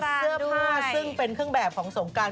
เราได้สวมใสเสื้อผ้าซึ่งเป็นเครื่องแบบของสงกรรม